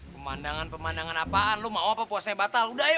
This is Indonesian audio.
pemandangan pemandangan apaan lo mau apa puasanya batal udah ya